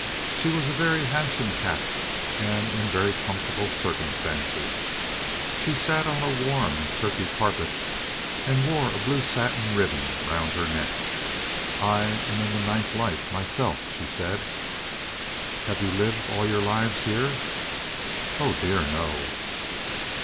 She was a very handsome cat, and in very comfortable circumstances. She sat on a warm Turkey carpet, and wore a blue satin ribbon round her neck. "I am in the ninth life myself," she said. "Have you lived all your lives here?" "Oh dear, no!"